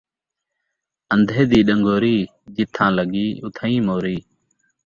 اندھے دی ݙنگوری، جتھاں لڳی اتھائیں موری